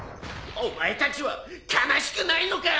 お前たちは悲しくないのか！？